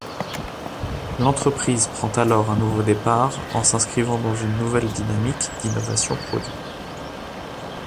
L’entreprise prend alors un nouveau départ en s’inscrivant dans une nouvelle dynamique d’innovations produits.